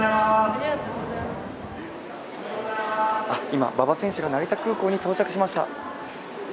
今、馬場選手が成田空港に到着しました。